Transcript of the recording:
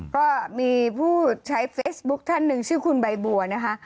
ก็มีผู้ใช้เฟซบุ๊คท่านหนึ่งชื่อคุณใบบัวนะคะ